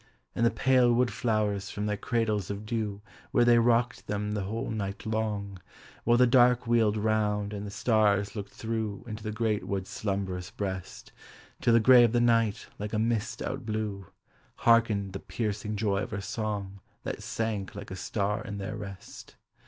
And the pale wood flowers from their cradles of dew Where they rocked them the whole night long, While the dark wheeled round and the stars looked through Into the great wood's slumbrous breast, Till the gray of the night like a mist outblew; Hearkened the piercing joy of her song That sank like a star in their rest.